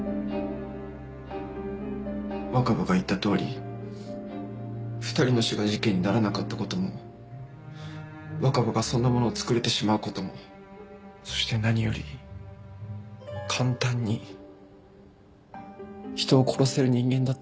若葉が言ったとおり２人の死が事件にならなかった事も若葉がそんなものを作れてしまう事もそして何より簡単に人を殺せる人間だという事が。